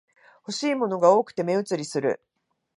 欲しいものが多くて目移りする